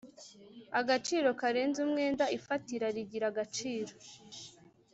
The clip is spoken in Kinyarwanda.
agaciro karenze umwenda ifatira rigira agaciro